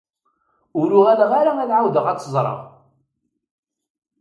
Ur uɣaleɣ ara ad ɛawdeɣ ad t-ẓreɣ.